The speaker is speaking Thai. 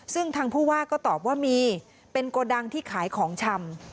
ซึ่งทางผู้ว่าก็ตอบว่ามีเป็นโกดังที่ขายของชำ